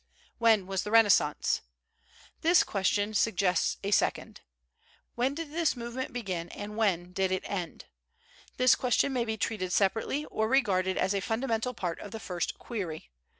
When Was the Renaissance? This question suggests a second. "When did this movement begin and when did it end?" This question may be treated separately or regarded as a fundamental part of the first query.